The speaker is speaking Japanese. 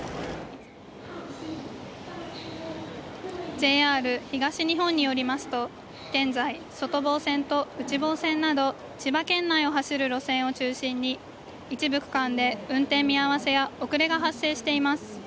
ＪＲ東日本によりますと現在、外房線と内房線など、千葉県内を走る路線を中心に一部区間で運転見合わせや遅れが発生しています。